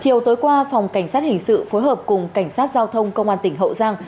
chiều tối qua phòng cảnh sát hình sự phối hợp cùng cảnh sát giao thông công an tỉnh hậu giang